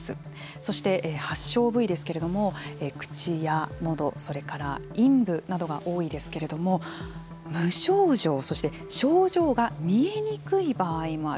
そして、発症部位ですけれども口やのど、それから陰部などが多いですけれども無症状、そして症状が見えにくい場合もある。